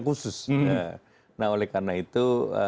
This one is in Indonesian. khusus nah oleh karena itu